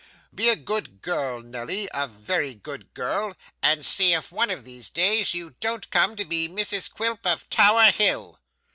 Be a good girl, Nelly, a very good girl, and see if one of these days you don't come to be Mrs Quilp of Tower Hill.